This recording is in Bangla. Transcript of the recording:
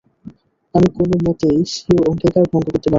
আমি কোনমতেই স্বীয় অঙ্গীকার ভঙ্গ করতে পারব না।